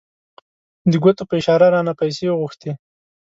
د ګوتو په اشاره یې رانه پیسې وغوښتې.